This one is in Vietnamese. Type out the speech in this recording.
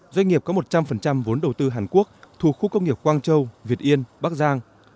doanh nghiệp có một trăm linh vốn đầu tư hàn quốc thuộc khu công nghiệp quang châu việt yên bắc giang